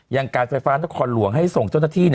การไฟฟ้านครหลวงให้ส่งเจ้าหน้าที่